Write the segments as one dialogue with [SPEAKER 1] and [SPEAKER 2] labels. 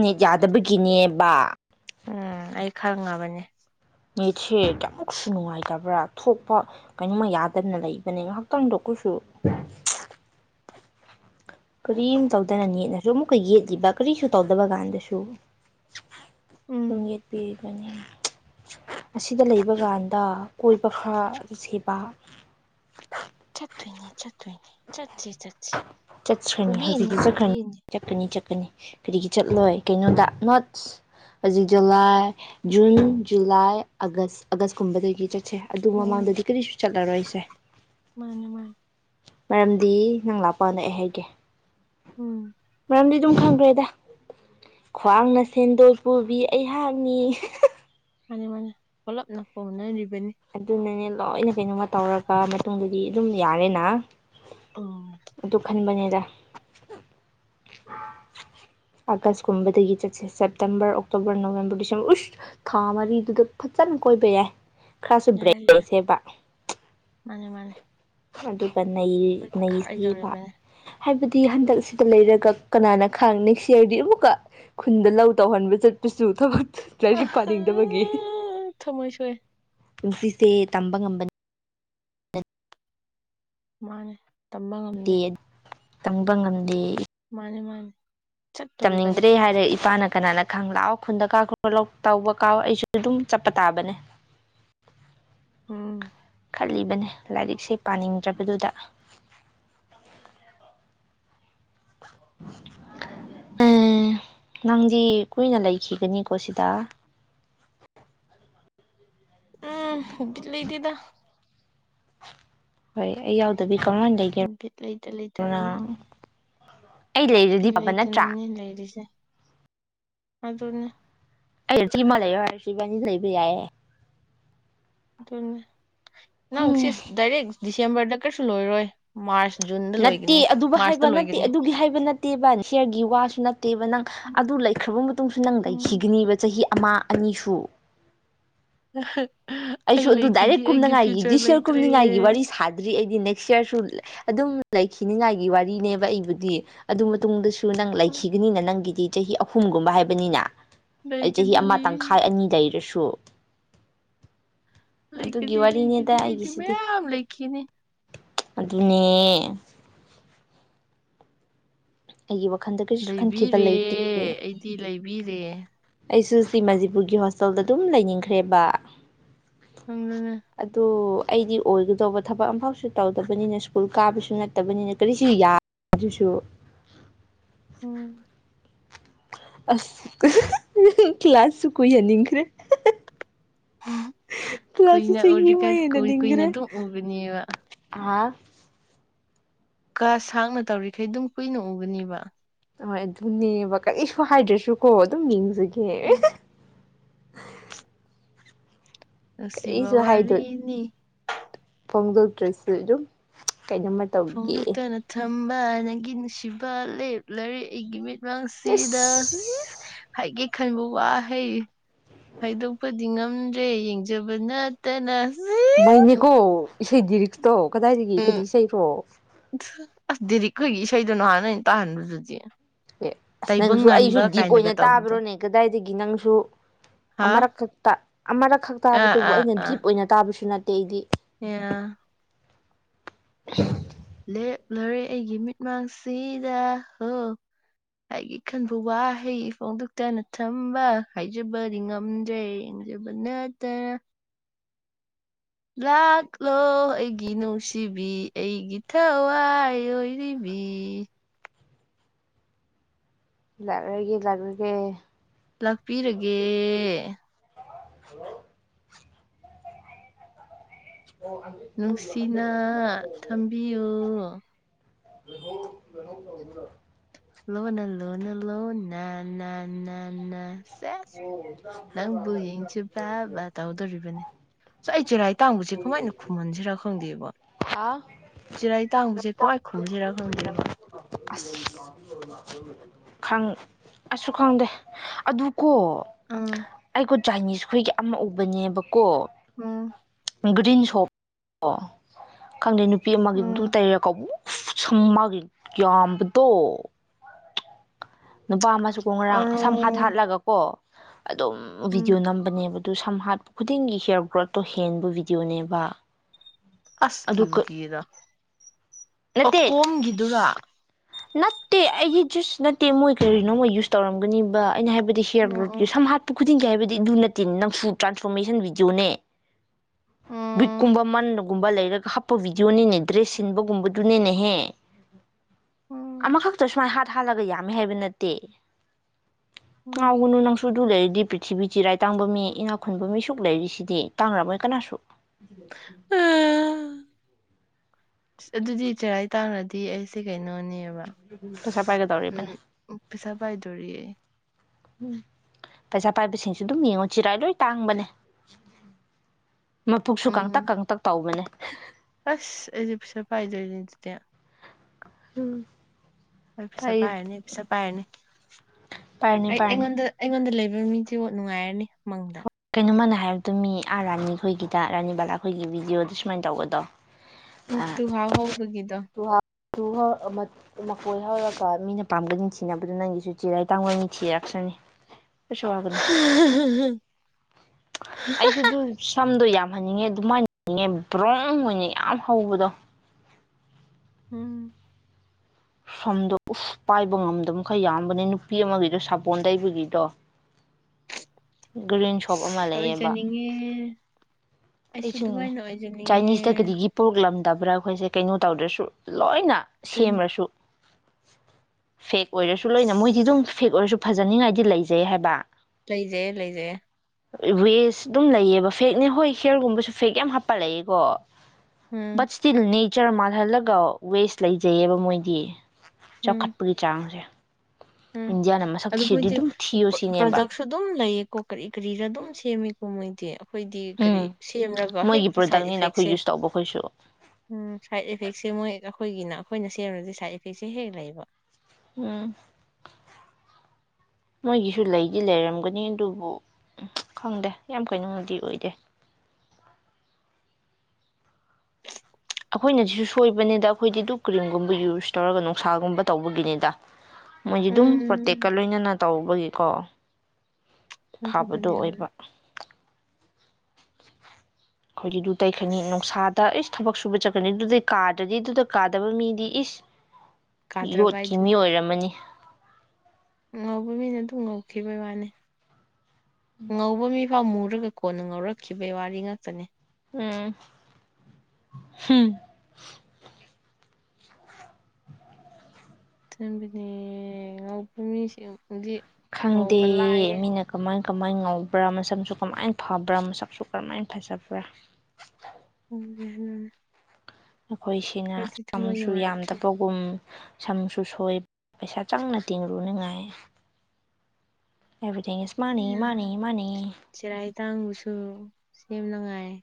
[SPEAKER 1] Net ꯌꯥꯗꯕꯒꯤꯅꯦ ꯕꯥ
[SPEAKER 2] ꯎꯨꯝ ꯑꯩ ꯈꯪꯉꯕꯅꯦ
[SPEAKER 1] ꯅꯦꯠꯁꯤ ꯌꯥꯝꯃꯨꯛꯁꯨ ꯅꯨꯡꯉꯥꯏꯇꯕ꯭ꯔꯥ ꯊꯣꯛꯄ ꯀꯩꯅꯣꯝꯃ ꯌꯥꯗꯅ ꯂꯩꯕꯅꯦ ꯉꯥꯏꯍꯥꯛꯇꯪꯗꯣ ꯀꯩꯁꯨ ꯀꯔꯤꯝ ꯇꯧꯗꯅ ꯅꯦꯠꯅꯁꯨ ꯑꯃꯨꯛꯀ ꯌꯦꯠꯂꯤꯕ ꯀꯔꯤꯁꯨ ꯇꯧꯗꯕ ꯀꯥꯟꯗꯁꯨ
[SPEAKER 2] ꯎꯝ
[SPEAKER 1] ꯇꯨꯡ ꯌꯦꯠꯄꯤꯔꯦ ꯑꯁꯤꯗ ꯂꯩꯕ ꯀꯥꯟꯗꯥ ꯀꯣꯏꯕ ꯈꯔ ꯆꯠꯔꯨꯁꯦꯕꯥ
[SPEAKER 2] ꯆꯠꯇꯣꯏꯅꯦ ꯆꯠ
[SPEAKER 1] ꯆꯠꯈ꯭ꯔꯅꯤ ꯍꯧꯖꯤꯛꯇꯤ ꯆꯠꯈ꯭ꯔꯅꯤ
[SPEAKER 2] ꯄꯨꯕꯤꯅꯤ
[SPEAKER 1] ꯆꯠꯀꯅꯤ ꯀꯅꯤ ꯀꯔꯤꯒꯤ ꯆꯠꯂꯣꯏ ꯀꯩꯅꯣꯗ ꯃꯥꯔꯁ ꯍꯧꯖꯤꯛ ꯖꯨꯂꯥꯏ ꯖꯨꯟ ꯖꯨꯂꯥꯏ ꯑꯥꯒꯁ ꯑꯥꯒꯁꯀꯨꯝꯕꯗꯒꯤ ꯆꯠ ꯁꯦ ꯑꯗꯨ
[SPEAKER 2] ꯎꯝ
[SPEAKER 1] ꯃꯃꯥꯡꯗꯗꯤ ꯀꯔꯤ ꯆꯠꯂꯔꯣꯏꯁꯦ
[SPEAKER 2] ꯃꯥꯅꯦ ꯃꯥꯅꯦ
[SPEAKER 1] ꯃꯔꯝꯗꯤ ꯅꯪ ꯂꯥꯛꯄꯀꯥꯟꯗꯥ ꯑꯩ ꯍꯥꯏꯒꯦ
[SPEAKER 2] ꯎꯝ
[SPEAKER 1] ꯃꯔꯝꯗꯤ ꯑꯗꯨꯝ ꯈꯪꯗꯔꯦꯗ ꯈ꯭ꯋꯥꯡꯅ ꯁꯦꯟꯗꯣꯏ ꯄꯨꯕꯤ ꯑꯩꯍꯥꯛꯅꯤ
[SPEAKER 2] ꯃꯥꯅꯦ ꯃꯥꯅꯦꯟ ꯄꯨꯂꯞꯅ ꯄꯨꯅ
[SPEAKER 1] ꯑꯗꯨꯅꯅꯦ ꯂꯣꯏꯅ ꯀꯩꯅꯣꯝꯃ ꯇꯧꯔꯒ ꯃꯇꯨꯡꯗꯗꯤ ꯑꯗꯨꯝ ꯌꯥꯔꯦꯅ
[SPEAKER 2] ꯎꯝ
[SPEAKER 1] ꯑꯗꯨ ꯈꯟꯕꯅꯦꯗ ꯑꯥꯒꯁꯀꯨꯝꯕꯗꯒꯤ ꯆꯠꯁꯦ ꯁꯦꯞꯇꯦꯝꯕꯔ ꯑꯣꯛꯇꯣꯕꯔ ꯅꯣꯕꯦꯝꯕꯔ ꯗꯤꯁꯦꯝꯕꯔ ꯎꯁ ꯊꯥ ꯃꯔꯤꯗꯨꯗ ꯐꯖꯅ ꯀꯣꯏꯕ ꯌꯥꯏꯅ ꯈꯂ꯭ꯔꯥꯁꯨ ꯕ꯭ꯔꯦꯛ ꯂꯩꯁꯦꯕ
[SPEAKER 2] ꯃꯥꯟꯅꯦ ꯃꯥꯟꯅꯦ
[SPEAKER 1] ꯑꯗꯨ ꯅꯩ ꯅꯩꯁꯦꯕꯥ
[SPEAKER 2] ꯈꯥꯏꯗꯧꯔꯤꯕꯅꯦ
[SPEAKER 1] ꯍ ꯍꯥꯏꯕꯗꯤ ꯍꯟꯗꯛꯁꯤꯗ ꯂꯩꯔꯒ ꯀꯅꯥꯅ ꯈꯥꯡ ꯅꯦꯛꯁ ꯏꯔꯗꯤ ꯑꯃꯨꯛꯀ ꯈꯨꯟꯗ ꯂꯧ ꯇꯧꯍꯟꯕ ꯆꯠꯄꯁꯨ ꯊꯕꯛ ꯂꯥꯏꯔꯤꯛ ꯄꯥꯅꯤꯡꯗꯕꯒꯤ
[SPEAKER 2] ꯊꯃꯣꯏ ꯁꯣꯛꯑꯦ
[SPEAKER 1] ꯅꯨꯡꯁꯤꯁꯦ ꯇꯝꯕ ꯉꯝꯕꯅꯤ
[SPEAKER 2] ꯃꯥꯅꯦ ꯇꯝꯕ ꯉꯝꯗꯦ
[SPEAKER 1] ꯇꯝꯕ ꯉꯝꯗꯤ
[SPEAKER 2] ꯃꯥꯅꯦ ꯃꯥꯅꯦ ꯆꯠꯇꯣꯔꯤꯕꯅꯤ
[SPEAKER 1] ꯆꯝꯅꯤꯡꯗ꯭ꯔꯦ ꯍꯥꯏꯔ ꯏꯄꯥꯅ ꯀꯅꯥꯅ ꯈꯪ ꯂꯥꯛꯑꯣ ꯈꯨꯟꯗ ꯀꯥꯈ꯭ꯔꯣ ꯇꯧꯕ ꯀꯥꯎꯑꯣ ꯑꯩꯁꯨ ꯑꯗꯨꯝ ꯆꯠꯄ ꯇꯥꯕꯅꯦ
[SPEAKER 2] ꯑꯝ
[SPEAKER 1] ꯈꯜꯂꯤꯕꯅꯦ ꯂꯥꯏꯔꯤꯛꯁꯦ ꯄꯥꯅꯤꯡꯗ꯭ꯔꯕꯗꯨꯗ ꯅꯪꯗꯤ ꯀꯨꯏꯅ ꯂꯩꯈꯤꯒꯅꯤꯀꯣ ꯁꯤꯗ
[SPEAKER 2] ꯎꯝ ꯍꯒꯂꯗ
[SPEAKER 1] ꯍꯣꯏ ꯑꯩ ꯌꯥꯎꯗꯕꯤꯅꯤ ꯀꯃ ꯂꯩꯒ
[SPEAKER 2] ꯕꯤꯠ ꯂꯩꯇ ꯂꯩꯇꯅꯅꯤ ꯕꯤꯠ ꯂꯩꯇꯅꯅꯤ ꯂꯩꯔꯤꯁꯦ ꯑꯗꯨꯅꯤ
[SPEAKER 1] ꯑꯩ ꯁꯤꯃ ꯂꯩꯌ ꯍꯥꯏꯔ ꯁꯤꯕꯅꯤ ꯂꯩꯕ ꯌꯥꯏꯌꯦ
[SPEAKER 2] ꯇꯨꯝꯃꯦ
[SPEAKER 1] ꯎꯝ
[SPEAKER 2] ꯅꯪꯁꯤꯁ ꯗꯔ ꯗꯤꯁꯦꯝꯕꯔꯗ ꯀꯔꯤꯁꯨ ꯂꯣꯏꯔꯣꯏ ꯃꯥꯔꯆ ꯖꯨꯟꯗ
[SPEAKER 1] ꯅꯠꯇꯦ
[SPEAKER 2] ꯂꯣꯏꯒꯅꯤ
[SPEAKER 1] ꯑꯗꯨꯕꯨ
[SPEAKER 2] ꯃꯥꯔꯁꯇ
[SPEAKER 1] ꯍꯥꯏꯕ ꯅꯠꯇꯦ
[SPEAKER 2] ꯂꯣꯏꯒꯅꯤ
[SPEAKER 1] ꯑꯗꯨꯒꯤ ꯍꯥꯏꯕ ꯅꯠꯇꯦꯕꯔꯒꯤ ꯋꯥꯁꯨ ꯅꯠꯇꯦ ꯇꯦꯕ ꯅꯪ
[SPEAKER 2] ꯎꯝ
[SPEAKER 1] ꯑꯗꯨ ꯂꯩꯈ꯭ꯔꯕ ꯃꯇꯨꯡꯁꯨ ꯅꯪ
[SPEAKER 2] ꯎꯝ
[SPEAKER 1] ꯂꯩꯈꯤꯒꯅꯦꯕ ꯆꯍꯤ ꯑꯃ ꯑꯅꯤꯁꯨ
[SPEAKER 2] ꯑꯩ
[SPEAKER 1] ꯑꯩꯁꯨ ꯑꯗꯨ
[SPEAKER 2] ꯂꯩꯇ꯭ꯔꯗꯤ
[SPEAKER 1] ꯗꯥꯏꯔꯦꯛ
[SPEAKER 2] ꯑꯩꯒꯤ
[SPEAKER 1] ꯀꯨꯝꯅꯉꯥꯏꯒꯤ
[SPEAKER 2] ꯐ꯭ꯌꯨꯆꯔ
[SPEAKER 1] ꯗꯤꯁ ꯏꯌꯥꯔ
[SPEAKER 2] ꯂꯩꯇ꯭ꯔꯦ
[SPEAKER 1] ꯀꯨꯝꯅꯤꯡꯉꯥꯏꯒꯤ ꯋꯥꯔꯤ ꯁꯥꯗ꯭ꯔꯤ ꯑꯩꯗꯤ ꯅꯦꯛꯁ ꯏꯌꯥꯔꯁꯨ ꯑꯗꯨꯝ ꯂꯩꯈꯤꯅꯤꯉꯥꯏꯒꯤ ꯋꯥꯔꯤꯅꯦꯕ ꯑꯩꯕꯨꯗꯤ ꯑꯗꯨ ꯃꯇꯨꯡꯗꯁꯨ ꯅꯪ ꯂꯩꯈꯤꯒꯅꯤꯅ ꯅꯪꯒꯤꯗꯤ ꯆꯍꯤ ꯑꯍꯨꯝꯒꯨꯝꯕ ꯍꯥꯏꯕꯅꯤꯅ ꯑꯩ ꯆꯍꯤ
[SPEAKER 2] ꯂꯩꯒꯅꯤ
[SPEAKER 1] ꯑꯃ ꯇꯪꯈꯥꯏ ꯑꯅꯤꯗ ꯂꯩꯔꯁꯨ ꯇꯨ
[SPEAKER 2] ꯂꯩꯒꯗꯤ ꯂꯩꯒꯗꯤ ꯑꯩꯗꯤ ꯃꯌꯥꯝ ꯂꯩꯈꯤꯅꯤ
[SPEAKER 1] ꯑꯗꯨꯅꯦ ꯑꯩꯒꯤ ꯋꯥꯈꯟꯗ ꯀꯔꯤꯁꯨ ꯈꯟꯈꯤꯕ
[SPEAKER 2] ꯂꯩꯕꯤꯔꯦ
[SPEAKER 1] ꯂꯩꯇꯦ
[SPEAKER 2] ꯑꯩꯗꯤ ꯂꯩꯕꯤꯔꯦ
[SPEAKER 1] ꯑꯩꯁꯨ ꯁꯤ ꯃꯖꯤꯄꯨꯔꯒꯤ ꯍꯣꯁꯇꯦꯜꯗ ꯑꯗꯨꯝ ꯂꯩꯅꯤꯡꯈ꯭ꯔꯦꯕ
[SPEAKER 2] ꯅꯪꯅꯅꯦ
[SPEAKER 1] ꯑꯗꯣ ꯑꯩꯗꯤ ꯑꯣꯏꯒꯗꯧꯕ ꯊꯕꯛ ꯑꯃꯝꯐꯥꯎꯁꯨ ꯇꯧꯗꯕꯅꯤꯅ ꯁ꯭ꯀꯨꯜ ꯀꯥꯕꯁꯨ ꯅꯠꯇꯕꯅꯤꯅ ꯀꯔꯤꯁꯨ ꯌꯥꯗꯨꯁꯨ
[SPEAKER 2] ꯎꯝ
[SPEAKER 1] ꯑꯁ ꯀ꯭ꯂꯥꯁꯁꯨ ꯀꯨꯍꯟꯅꯤꯡꯈ꯭ꯔꯦ
[SPEAKER 2] ꯀꯨꯏꯅ
[SPEAKER 1] ꯆꯍꯤ ꯑꯃ
[SPEAKER 2] ꯎꯔꯤꯈꯨꯏ ꯀꯨꯏꯅ
[SPEAKER 1] ꯍꯦꯟꯅꯅꯤꯡꯈ꯭ꯔꯦ
[SPEAKER 2] ꯑꯗꯨꯝ ꯎꯕꯅꯦꯕ
[SPEAKER 1] ꯑ
[SPEAKER 2] ꯀ ꯁꯥꯡꯅ ꯇꯧꯔꯤꯈꯩ ꯑꯗꯨꯝ ꯀꯨꯏꯅ ꯎꯒꯅꯤꯕ
[SPEAKER 1] ꯑꯗꯨꯥꯏ ꯑꯗꯨꯅꯦꯕ ꯀꯔꯤꯁꯨ ꯍꯥꯏꯗ꯭ꯔꯁꯨ ꯀꯣ ꯑꯗꯨꯝ ꯌꯦꯡꯖꯒꯦ ꯍꯦ [unintelligible]
[SPEAKER 2] ꯉꯁꯤꯕ ꯋꯥꯔꯤꯅꯤ
[SPEAKER 1] ꯐꯣꯡꯒꯜ ꯗ꯭ꯔꯦꯁ ꯑꯗꯨ ꯀꯩꯝꯃ ꯇꯧꯒꯦ
[SPEAKER 2] ꯇꯝꯕ ꯅꯪꯒꯤ ꯅꯨꯡꯁꯤꯕ ꯂꯦꯞꯂꯔꯦ ꯑꯩꯒꯤ ꯃꯤꯠ ꯃꯁꯤꯗ
[SPEAKER 1] ꯑꯁ
[SPEAKER 2] ꯐꯦ ꯈꯪ ꯕ ꯋꯥ ꯍꯦ ꯍꯥꯏꯗꯣꯛꯄ ꯗꯤ ꯉꯝꯗ꯭ꯔꯦ ꯌꯦꯡꯖꯕ ꯅꯠꯇꯅ
[SPEAKER 1] ꯃꯅꯦ ꯀꯣ ꯏꯁꯩꯦ ꯔꯤꯛꯛꯇ ꯀꯗꯥꯏꯗꯒꯤ ꯀꯔꯤ
[SPEAKER 2] ꯎꯝ
[SPEAKER 1] ꯏꯁꯩ ꯅꯤ
[SPEAKER 2] ꯑꯩꯈꯣꯏꯒꯤ ꯏꯁꯩꯗꯅꯣ ꯍꯥꯟꯅ ꯑꯩꯅ ꯇꯥꯍꯟꯕꯗꯨꯗꯤ
[SPEAKER 1] ꯑꯦ ꯑꯁ
[SPEAKER 2] ꯇꯥꯏꯕꯪ
[SPEAKER 1] ꯅꯪꯁꯨ ꯑꯩꯁꯨ
[SPEAKER 2] ꯉꯥꯟꯕ
[SPEAKER 1] ꯗꯤꯞ
[SPEAKER 2] ꯀꯥꯏꯅꯒ
[SPEAKER 1] ꯑꯣꯏꯅ
[SPEAKER 2] ꯇꯧꯕꯗꯣ
[SPEAKER 1] ꯇꯥꯕ꯭ꯔꯣꯅꯦ ꯀꯗꯥꯏꯗꯒꯤ ꯅꯪꯁꯨ
[SPEAKER 2] ꯍꯥ
[SPEAKER 1] ꯑꯃꯨꯔꯛ ꯈꯛꯇ ꯑꯃꯨꯔꯛ ꯈꯛ
[SPEAKER 2] ꯑꯥ
[SPEAKER 1] ꯇꯥꯕꯗꯨꯕꯨ ꯑꯩꯅ ꯗꯤꯞ ꯑꯣꯏꯅ ꯇꯥꯕꯁꯨ ꯅꯠꯇꯦ ꯇꯩꯗꯤ
[SPEAKER 2] ꯑ
[SPEAKER 1] ꯑ [unintelligible]
[SPEAKER 2] ꯂꯦꯞꯂꯔꯦ ꯑꯩꯒꯤ ꯃꯤꯠꯃꯥꯡꯁꯤꯗ ꯍꯣ ꯍꯥꯏꯒꯤ ꯈꯟꯕ ꯋꯥꯍꯩ ꯐꯣꯡꯗꯣꯛꯇꯅ ꯊꯝꯕ ꯍꯥꯏꯖꯕꯗꯤ ꯉꯝꯗ꯭ꯔꯦ ꯌꯦꯡꯖꯕ ꯅꯠꯇꯅ ꯂꯥꯛꯂꯣ ꯑꯩꯒꯤ ꯅꯨꯡꯁꯤꯕꯤ ꯑꯩꯒꯤ ꯊꯋꯥꯏ ꯑꯣꯏꯔꯤꯕꯤ
[SPEAKER 1] ꯂꯥꯛꯂꯒꯦ ꯂꯥꯛꯂꯒꯦ
[SPEAKER 2] ꯂꯥꯛꯄꯤꯔꯒꯦ
[SPEAKER 1] ꯍꯜꯂꯣ
[SPEAKER 2] ꯅꯨꯡꯁꯤꯅ ꯊꯝꯕꯤꯌꯨ
[SPEAKER 1] ꯅ ꯅ ꯇꯗ [inaudible] [unintelligible]
[SPEAKER 2] ꯂꯣꯟꯅ ꯂꯣꯟꯅ ꯂꯣꯅ ꯁꯦꯁ ꯅꯪꯕꯨ ꯌꯦꯡꯁꯦ ꯕ ꯇꯧꯗꯣꯔꯤꯕꯅꯤ ꯑꯁꯣ ꯑꯩ ꯆꯦꯔꯥꯏ ꯇꯥꯡꯕꯁꯦ ꯀꯃꯥꯏꯅ ꯈꯨꯝꯃꯟꯁꯤꯔꯥ ꯈꯪꯗꯦꯕ
[SPEAKER 1] ꯍꯥ
[SPEAKER 2] ꯆꯦꯔꯥꯏ ꯇꯥꯡꯕꯁꯦ ꯀꯃꯥꯏ ꯈꯨꯝꯁꯤꯔꯥ ꯈꯪꯗꯦꯕ
[SPEAKER 1] ꯑꯁ ꯑꯁꯁꯨ ꯈꯪꯗꯦ ꯑꯗꯨ
[SPEAKER 2] ꯑꯥ
[SPEAKER 1] ꯆꯥꯏꯅꯤꯁꯈꯣꯏꯒꯤ ꯑꯃ ꯎꯕꯅꯦꯕꯀꯣ
[SPEAKER 2] ꯎꯝ
[SPEAKER 1] ꯗꯤꯟ ꯁꯣꯞ ꯈꯪꯗ ꯅꯨ [inaudible] [unintelligible] ꯑ ꯑꯃꯛ ꯑꯗꯨꯔ
[SPEAKER 2] ꯎꯝ
[SPEAKER 1] ꯇꯔꯔꯤꯈꯦ ꯀꯕꯨ [unintelligible] ꯁꯪ ꯃꯥꯒꯤ ꯌꯥꯝꯕꯗꯣ ꯄꯥꯃ ꯁꯨꯀꯣ ꯉꯔꯥꯡ
[SPEAKER 2] ꯑꯔꯣ
[SPEAKER 1] ꯁꯝ ꯍꯥꯠ ꯍꯥꯠꯂꯒ ꯀꯣ ꯑꯗꯨꯝ ꯕꯤꯗꯤꯑꯣ
[SPEAKER 2] ꯎꯝ
[SPEAKER 1] ꯅꯝꯕꯅꯦꯕ ꯑꯗꯨ ꯁꯝꯍꯠꯄ ꯈꯨꯗꯤꯡꯒꯤ ꯍꯤꯌꯥꯔ ꯒ꯭ꯔꯣꯠꯇꯣ ꯍꯦꯟꯕ ꯕꯤꯗꯤꯑꯣꯅꯦꯕ
[SPEAKER 2] ꯑꯁ ꯀꯤꯕꯨ ꯀꯔ ꯑꯣ
[SPEAKER 1] ꯅꯠꯇꯦ
[SPEAKER 2] ꯀꯣꯝꯒꯤꯗꯨꯔꯥ
[SPEAKER 1] ꯅꯠꯇꯦ ꯑꯩꯒꯤ ꯖꯨꯁ ꯅꯠꯇꯦ ꯃꯣꯏ ꯀꯔꯤꯅꯣ ꯃꯣꯏ ꯌꯨꯁ ꯇꯧꯔꯝꯒꯅꯤꯕ ꯑꯩꯅ ꯍꯥꯏꯕ
[SPEAKER 2] ꯎꯝ
[SPEAKER 1] ꯍꯦꯌꯥꯔꯕꯣ
[SPEAKER 2] ꯎꯝ
[SPEAKER 1] ꯁꯝ ꯍꯥ ꯈꯨꯗꯤꯡꯒꯤ ꯍꯥꯏꯕꯗꯤ ꯂ ꯅꯠꯇꯤꯟ ꯅꯝꯐꯨ ꯇ꯭ꯔꯥꯟꯁꯐꯣꯔꯃꯦꯁꯟ ꯚꯤꯗꯤꯑꯣꯅꯦ ꯕꯤꯛ
[SPEAKER 2] ꯎꯝ
[SPEAKER 1] ꯀꯨꯝꯕ ꯃꯥꯟ ꯒꯨꯝꯕ ꯂꯩꯔꯒ ꯍꯥꯞꯄ ꯗꯤꯑꯣꯅꯤꯅꯦ ꯗ꯭ꯔꯦꯁ ꯁꯤꯟꯕꯒꯨꯝꯕꯗꯨꯅꯤꯅꯦꯍꯦ
[SPEAKER 2] ꯎꯝ
[SPEAKER 1] ꯑꯃꯈꯛꯇ ꯁꯨꯃꯥꯏ ꯍꯥꯠ ꯍꯥꯜꯂꯒ ꯌꯥꯝꯃꯤ ꯍꯥꯏꯕ ꯅꯠꯇꯦ
[SPEAKER 2] ꯎꯝ
[SPEAKER 1] ꯑꯒꯅ ꯅꯪꯁꯨꯨꯗ ꯂꯩꯦ ꯗꯤ ꯄ꯭ꯔꯤꯊꯤꯕꯤ ꯆꯤꯔꯥꯏ ꯇꯥꯡꯕ ꯃꯤ ꯏꯅꯥꯛꯈ ꯈꯨꯟꯕ ꯃꯤ ꯁꯨꯛ ꯂꯩꯔꯤꯁꯤꯗꯤ ꯇꯥꯡꯅꯝꯃꯣꯏ ꯀꯅꯥꯁꯨ
[SPEAKER 2] ꯑ ꯑꯗꯨꯗꯤ ꯆꯦꯔꯥꯏ ꯇꯥꯡꯅꯗꯤ ꯑꯩꯁꯦ ꯀꯩꯅꯣ ꯀꯩꯅꯣꯅꯦꯕ
[SPEAKER 1] ꯄꯩꯁꯥ ꯄꯥꯏꯒꯗꯧꯔꯤꯕꯅꯦ
[SPEAKER 2] ꯎꯝ ꯄꯩꯤꯁꯥ ꯄꯥꯏꯗꯣꯔꯤꯑ
[SPEAKER 1] ꯎꯝ ꯄꯩꯁꯥ ꯄꯥꯏꯕꯁꯤꯡꯁꯨ ꯑꯗꯨꯝ ꯌꯦꯡꯉꯣ ꯆꯤꯔꯏ ꯂꯣꯏ ꯇꯥꯡꯕꯅꯦ ꯃꯄꯨꯛꯁꯨ ꯀꯪꯇꯛ
[SPEAKER 2] ꯎꯝ
[SPEAKER 1] ꯀꯪꯇꯛ ꯇꯧꯕꯅꯦ
[SPEAKER 2] ꯑꯁ ꯑꯩꯗꯤ ꯄꯁꯦ ꯄꯥꯏꯗꯅꯤ ꯆꯗꯦ
[SPEAKER 1] ꯎꯝ
[SPEAKER 2] ꯍ ꯄꯩꯁꯥ ꯄꯥꯏꯔꯅꯤ ꯄꯩꯁꯥ ꯄꯥꯏꯔꯅꯤ
[SPEAKER 1] ꯄꯥꯏꯔꯅꯤ ꯄꯥꯏꯔꯅꯤ
[SPEAKER 2] ꯑꯩꯉꯣꯟꯗ ꯑꯩꯉꯣꯟꯗ ꯂꯩ ꯑꯗꯨ ꯃꯤꯁꯦ ꯍ ꯅꯨꯡꯉꯥꯏꯔꯅꯤ ꯃꯪꯗ
[SPEAKER 1] ꯑꯣ ꯀꯩꯅꯣꯃꯥꯟꯅ ꯍꯥꯏꯕꯗꯨ ꯃꯤ ꯑꯥ ꯔꯥꯅꯤ ꯈꯣꯏꯒꯤꯗ ꯔꯥꯅꯤ ꯕꯥꯂꯥ ꯈꯣꯏꯒꯤ ꯕꯤꯤꯗꯤꯑꯣꯗꯣ ꯁꯨꯃꯥꯏꯅ ꯇꯧꯕꯗꯣ
[SPEAKER 2] ꯎ ꯇꯨ ꯍꯥꯎ ꯍꯥꯎꯕꯒꯗ
[SPEAKER 1] ꯃꯈꯣꯏ ꯍꯧꯔꯛꯒ ꯃꯤꯅ ꯄꯥꯝꯒ ꯅꯤꯡꯊꯤꯅꯕꯗꯨꯅ ꯅꯪꯒꯤꯁꯨ ꯆꯤꯔꯥꯏ ꯇꯥꯡꯕꯣꯏ ꯅꯤꯡꯊꯤꯔꯛꯁꯅꯤ ꯑꯁꯒꯅ ꯑꯩꯁꯨꯨꯗꯨ ꯁꯝꯗꯣꯏ ꯌꯥꯝ ꯌꯥꯝꯍꯟꯅꯤꯡꯉꯦ ꯑꯗꯨꯃꯥꯏꯅꯤꯡꯉꯦ ꯕ꯭ꯔꯣꯡ ꯑꯣꯏꯅ ꯌꯥꯝ ꯍꯧꯕꯗꯣ
[SPEAKER 2] ꯎꯝ
[SPEAKER 1] ꯁꯣꯝꯗꯣ ꯎꯐ ꯄꯥꯏꯕ ꯉꯝꯗꯕꯈꯔ ꯌꯥꯝꯝꯕꯅꯦ ꯅꯨꯄꯤ ꯑꯃꯒꯤꯗꯣ ꯁꯥꯄꯣꯟ ꯂꯩꯩꯕꯒꯤꯗꯣ ꯒ꯭ꯔꯤꯟ ꯁꯣꯞ ꯑꯃ ꯂꯩꯑꯕ
[SPEAKER 2] ꯑꯣꯏꯖꯅꯤꯡꯉꯦ ꯑꯩꯁꯨ
[SPEAKER 1] ꯑꯩꯁꯨꯅꯦ
[SPEAKER 2] ꯑꯗꯨꯃꯥꯏꯅ ꯑꯣꯏꯖꯅꯤꯡꯉꯦ
[SPEAKER 1] ꯆꯥꯏꯅꯤꯁꯇ ꯀꯔꯤꯒꯤ ꯄꯔꯛꯂꯝꯗꯕ ꯕ꯭ꯔꯥ ꯑꯩꯈꯣꯏꯁꯦ ꯀꯩꯅꯣ ꯇꯧꯗ꯭ꯔꯁꯨ ꯂꯣꯏꯅ
[SPEAKER 2] ꯑꯗꯨꯅꯤ
[SPEAKER 1] ꯁꯦꯝ꯭ꯔꯁꯨ ꯐꯦꯦꯛ ꯑꯣꯏꯔꯁꯨ ꯂꯩꯣꯏꯅ ꯃꯣꯏꯗꯤ ꯑꯗꯨꯝ ꯐꯦꯛ ꯑꯣꯏꯔꯁꯨ ꯐꯖꯅꯤꯡꯉꯥꯏꯗꯤ ꯂꯩꯖꯩ ꯍꯥꯏꯕ
[SPEAKER 2] ꯂꯩꯖꯩ ꯂꯩꯖꯩ
[SPEAKER 1] ꯋꯦꯁ ꯑꯗꯨꯝ ꯂꯩꯑꯕ ꯐꯦꯛꯅꯦ ꯍꯣꯏ ꯍꯥꯏꯔ ꯒꯨꯝꯕꯁꯨ ꯐꯦꯛ ꯌꯥꯝ ꯍꯥꯞꯄꯜꯂꯛꯑꯦꯀꯣ
[SPEAKER 2] ꯎꯝ
[SPEAKER 1] ꯆꯇꯅꯤ [inaudible] [unintelligible] ꯆꯔ ꯃꯥꯜꯍꯜꯂꯒ ꯋꯦꯁ ꯂꯩꯖꯩꯑꯕ ꯃꯣꯏꯗꯤ
[SPEAKER 2] ꯎꯝ
[SPEAKER 1] ꯆꯥꯎꯈꯠꯄꯒꯤ ꯆꯥꯡꯁꯦ
[SPEAKER 2] ꯎꯝ
[SPEAKER 1] ꯏꯟꯗꯤꯌꯥꯅ ꯃꯁꯛ
[SPEAKER 2] ꯑꯗꯨ
[SPEAKER 1] ꯊꯤꯔꯗꯤ
[SPEAKER 2] ꯃꯣꯏꯗꯤ
[SPEAKER 1] ꯑꯗꯨꯝ ꯊꯤꯌꯣ ꯁꯤꯅꯦꯕ
[SPEAKER 2] ꯄ꯭ꯔꯗꯛꯁꯨ ꯑꯗꯨꯝ ꯂꯩꯌꯦꯀꯣ ꯀꯔꯤ ꯀꯔꯤꯔ ꯑꯗꯨꯝ ꯁꯦꯝꯃꯦꯀꯣ ꯃꯣꯏꯗꯤ ꯑꯩꯈꯣꯏꯗꯤ ꯀꯔꯤ
[SPEAKER 1] ꯎꯝ
[SPEAKER 2] ꯁꯦꯝꯔꯒ
[SPEAKER 1] ꯃꯣꯏꯒꯤ
[SPEAKER 2] ꯍꯦꯛꯇ ꯁꯥꯏꯠ
[SPEAKER 1] ꯄ꯭ꯔꯗꯛꯅꯤꯅ ꯑꯩꯈꯣꯏ
[SPEAKER 2] ꯏꯐꯦꯛꯁꯦ
[SPEAKER 1] ꯌꯨꯁ ꯇꯧꯕ ꯑꯩꯈꯣꯏꯁꯨ
[SPEAKER 2] ꯎꯝ ꯁꯥꯏꯠ ꯏꯐꯦꯛꯁꯦ ꯃꯣꯏꯒ ꯑꯩꯈꯣꯏꯒꯤꯅ ꯑꯩꯈꯣꯏꯅ ꯁꯦꯝꯕꯗꯤ ꯁꯥꯏꯠ ꯏꯐꯦꯛꯁꯦ ꯍꯦꯛ ꯂꯩꯕ
[SPEAKER 1] ꯎꯝ ꯃꯣꯏꯒꯤꯁꯨ ꯂꯩꯗꯤ ꯂꯩꯔꯝꯒꯅꯤ ꯑꯗꯨꯕꯨ ꯎ ꯈꯪꯗꯦ ꯌꯥꯝ ꯀꯩꯅꯨꯡꯗꯤ ꯑꯣꯏꯗꯦ ꯑꯩꯈꯣꯏꯅꯗꯤꯁꯨ ꯁꯣꯏꯕꯅꯤꯗ ꯑꯩꯈꯣꯏꯗꯤ ꯗꯨ ꯀ꯭ꯔꯤꯝꯒꯨꯝꯕ ꯌꯨꯁ ꯇꯧꯔꯒ ꯅꯨꯡꯁꯥꯒꯨꯝꯕ ꯇꯧꯕꯒꯤꯅꯤꯗ ꯃꯣꯏꯁꯨ ꯑꯗꯨꯝ ꯄ꯭ꯔꯇꯦꯛꯀ
[SPEAKER 2] ꯎꯝ
[SPEAKER 1] ꯂꯣꯏꯅꯅ ꯇꯧꯕꯒꯤꯀꯣ ꯐꯥꯕꯗꯣ
[SPEAKER 2] ꯑꯗꯨꯕꯨꯗꯤ ꯍꯣꯏ
[SPEAKER 1] ꯑꯣꯏꯕ ꯑꯈꯣꯏ ꯏꯗꯤ ꯑꯗꯨ ꯇꯩꯀꯅꯤ ꯅꯨꯡꯁꯥꯗ ꯏꯁ ꯊꯕꯛ ꯁꯨꯕ ꯆꯠꯀꯅꯤ ꯑꯗꯨꯗꯤꯩ ꯀꯥꯗ꯭ꯔꯗꯤ ꯑꯗꯨꯗ ꯀꯥꯗꯕ ꯃꯤꯗꯤ ꯏꯁ
[SPEAKER 2] ꯀꯥꯗ꯭ꯔꯕ
[SPEAKER 1] ꯌꯣꯠꯀꯤ ꯃꯤ
[SPEAKER 2] ꯍꯥꯏꯗꯨꯅꯤ
[SPEAKER 1] ꯑꯣꯏꯔꯝꯃꯅꯤ
[SPEAKER 2] ꯉꯧꯕ ꯃꯤꯅ ꯑꯗꯨꯝ ꯉꯧꯈꯤꯕꯩ ꯋꯥꯅꯤ ꯉꯧꯕꯃꯤ ꯏꯐꯥ ꯃꯨꯔꯒ ꯀꯣꯟꯅ ꯉꯧꯔꯛꯈꯤꯕꯒꯤ ꯋꯥꯔꯤ ꯉꯥꯛꯇꯅꯦ
[SPEAKER 1] ꯎꯝ ꯍꯝ
[SPEAKER 2] ꯊꯝꯕꯤꯅꯤ ꯉꯧꯕꯃꯤꯁꯤ
[SPEAKER 1] ꯈꯪꯗꯦ ꯃꯤꯅ ꯀꯃꯥꯏ ꯀꯃꯥꯏꯅ ꯉꯕ꯭ꯔꯥ ꯃꯁꯝꯁꯨ ꯀꯃꯥꯏꯅ ꯐꯕ꯭ꯔꯥ ꯃꯁꯛꯁꯨ ꯀꯃꯥꯏꯅ ꯐꯖꯕ꯭ꯔꯥ
[SPEAKER 2] ꯎꯝꯝ
[SPEAKER 1] ꯑꯩꯈꯣꯏꯁꯤꯅ ꯁꯝꯁꯨ
[SPEAKER 2] ꯅꯨꯡꯉꯥꯏꯇ꯭ꯔꯦ
[SPEAKER 1] ꯌꯥꯝꯗꯕꯒꯨꯝ ꯁꯝꯁꯨ ꯁꯣꯏꯕ ꯄꯩꯁꯥ ꯆꯪꯅ ꯇꯤꯡꯔꯨꯅꯉꯥꯏ ꯑꯦꯕ ꯆꯁ ꯃꯥꯅꯦ
[SPEAKER 2] ꯑꯌꯥ
[SPEAKER 1] ꯃꯥꯅꯦ ꯃꯥꯅꯦ
[SPEAKER 2] ꯆꯦꯔꯥꯏ ꯇꯥꯡꯕꯁꯨ ꯁꯦꯝ ꯅꯨꯡꯉꯥꯏ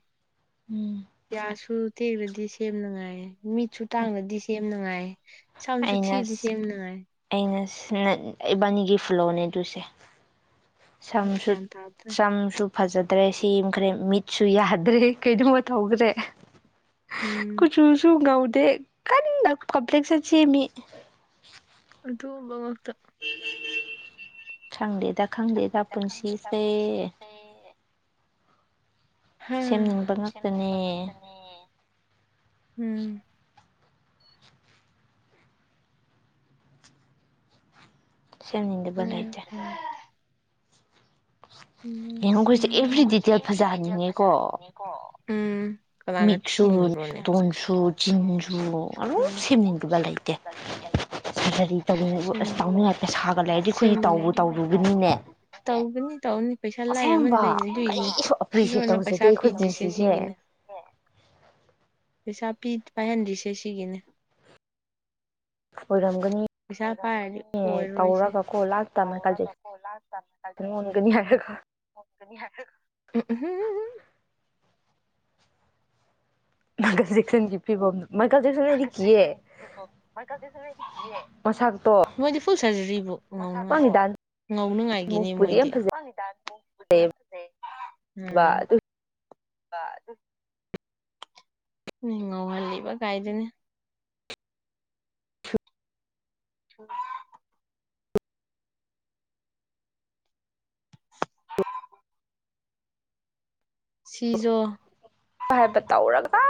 [SPEAKER 1] ꯎꯝ
[SPEAKER 2] ꯌꯥꯁꯨ ꯇꯦꯛꯔꯗꯤ ꯁꯦꯝ ꯅꯨꯡꯉꯥꯏꯌꯦ ꯃꯤꯠꯁꯨ ꯇꯥꯡꯅꯗꯤꯁꯦ ꯌꯥꯝ ꯅꯨꯡꯉꯥꯏ
[SPEAKER 1] ꯑꯩꯅ ꯑꯩꯅ ꯏꯕꯥꯅꯤꯒꯤ ꯐꯨꯂꯣꯅꯦ ꯑꯗꯨꯁꯦ ꯁꯝꯁꯨ
[SPEAKER 2] ꯒ꯭ꯌꯥꯟ ꯇꯥꯗ꯭ꯔꯦ
[SPEAKER 1] ꯆꯝꯁꯨ꯫ ꯐꯖꯗ꯭ꯔꯦ ꯁꯦꯝꯈ꯭ꯔꯦ ꯃꯤꯠꯁꯨ ꯌꯥꯗ꯭ꯔꯦ ꯀꯩꯅꯣꯃ ꯇꯧꯈ꯭ꯔꯦ꯫
[SPEAKER 2] ꯎꯝ
[SPEAKER 1] ꯀꯨꯆꯨꯁꯨ ꯉꯧ ꯀꯟꯅ ꯀꯝꯄ꯭ꯂꯦꯛꯁꯟ꯫ ꯁꯦꯃꯤ꯫
[SPEAKER 2] [unintelligible] ꯉꯛꯇ꯫
[SPEAKER 1] ꯈꯪꯗꯦꯗ ꯈꯪꯗꯦꯗ ꯄꯨꯟꯁꯤꯁꯦ꯫
[SPEAKER 2] ꯎꯝ
[SPEAKER 1] ꯁꯦꯝꯅꯤꯡꯕ ꯉꯥꯛꯇꯅꯦ
[SPEAKER 2] ꯁꯦꯝꯅꯤꯡꯕ ꯉꯥꯛꯇꯅꯦ꯫ ꯎꯝ꯫
[SPEAKER 1] ꯁꯦꯝꯅꯤꯡꯗꯕ ꯂꯩꯇꯦ꯫ ꯌꯦꯡꯉꯨ ꯑꯩꯈꯣꯏꯁꯦ ꯑꯦꯕ꯭ꯔꯤ
[SPEAKER 2] ꯎꯝꯈꯣꯏꯁꯦ
[SPEAKER 1] ꯗꯤꯇꯦꯜ
[SPEAKER 2] ꯑꯦꯚ꯭ꯔꯤ ꯗꯤꯇꯦꯜ
[SPEAKER 1] ꯐꯖꯍꯟꯅꯤꯡꯉꯦꯀꯣ
[SPEAKER 2] ꯐꯖꯍꯟꯅꯤꯉꯦꯀꯣ꯫ ꯎꯝ꯫ ꯀꯅꯥꯅ
[SPEAKER 1] ꯃꯤꯠꯁꯨ
[SPEAKER 2] ꯊꯤꯉꯤꯡꯕ꯭ꯔꯣꯅꯦ [unintelligible]
[SPEAKER 1] ꯇꯣꯟꯁꯨ ꯆꯤꯟꯁꯨ ꯑꯗꯨꯝ ꯁꯦꯝꯅꯤꯡꯗꯕ ꯂꯩꯇꯦ ꯁꯔꯖꯔꯤ ꯇꯧꯅꯤꯡꯕ ꯑꯁ ꯇꯧꯅꯤꯡꯉꯥꯏ ꯄꯩꯁꯥꯒ
[SPEAKER 2] ꯎꯝ
[SPEAKER 1] ꯂꯩꯔꯗꯤ ꯑꯩꯈꯣꯏꯗꯤ ꯇꯧꯕꯨ ꯇꯧꯔꯨꯕꯅꯤꯅꯦ
[SPEAKER 2] [unintelligible] ꯇꯧꯒꯅꯤ꯫ ꯇꯧꯅꯤ ꯄꯩꯁꯥ
[SPEAKER 1] ꯑꯁꯦꯡꯕ
[SPEAKER 2] ꯂꯥꯏꯔꯃꯟꯕꯩꯅꯦ ꯑꯗꯨꯏꯅꯦ
[SPEAKER 1] ꯀꯔꯤꯁꯨ ꯑꯦꯄ꯭ꯔꯤꯁꯦꯠ
[SPEAKER 2] ꯏꯁꯣꯔꯅ
[SPEAKER 1] ꯇꯧꯖꯗꯦ
[SPEAKER 2] ꯄꯩꯁꯥ
[SPEAKER 1] ꯑꯩꯈꯣꯏ
[SPEAKER 2] ꯄꯤꯗ꯭ꯔꯤꯁꯦ
[SPEAKER 1] ꯄꯨꯟꯁꯤꯁꯦ
[SPEAKER 2] ꯁꯤꯒꯤꯅꯦ꯫ ꯄꯩꯁꯥ ꯄꯤ ꯄꯥꯏꯍꯟꯗ꯭ꯔꯤꯁꯦ ꯁꯤꯒꯤꯅꯦ꯫
[SPEAKER 1] ꯑꯣꯏꯔꯝ ꯒꯅꯤ
[SPEAKER 2] ꯄꯩꯁꯥ ꯄꯥꯏꯔꯗꯤ
[SPEAKER 1] [inaudible]
[SPEAKER 2] ꯑꯣꯏꯔꯣꯏꯁꯦ
[SPEAKER 1] ꯇꯧꯔꯒꯀꯣ ꯂꯥꯁ ꯇ ꯃꯥꯏꯀꯜ ꯖꯦꯛ [inaudible] ꯑꯣꯟꯒꯅꯤ ꯍꯥꯏꯔꯒ꯫
[SPEAKER 2] ꯅꯤ ꯍꯥꯏ [unintelligible]
[SPEAKER 1] ꯃꯈ ꯆꯦꯛꯁꯟꯒꯤ ꯐꯤꯕꯝ
[SPEAKER 2] [unintelligible]
[SPEAKER 1] ꯃꯁꯛꯇꯣ
[SPEAKER 2] ꯃꯣꯏꯗꯤ ꯐꯨꯜ ꯁꯔꯖꯔꯤꯕꯨ ꯉꯧꯉꯥꯏ
[SPEAKER 1] ꯃꯥꯒꯤ ꯗꯥꯟꯁ
[SPEAKER 2] ꯉꯧꯅꯉꯥꯏꯒꯤꯅꯤ
[SPEAKER 1] ꯃꯨꯞꯄꯨꯗꯤ
[SPEAKER 2] ꯃꯣꯏꯗꯤ
[SPEAKER 1] ꯌꯥꯝ
[SPEAKER 2] ꯎꯝ꯫
[SPEAKER 1] ꯐꯖꯩꯕ ꯑꯗꯨ
[SPEAKER 2] ꯑꯗꯨ꯫ ꯉꯧꯍꯜꯂꯤꯕ ꯀꯥꯏꯗꯨꯅꯦ꯫ [inaudible] ꯁꯤꯁꯨ
[SPEAKER 1] [unintelligible] ꯇꯧꯔꯒ꯫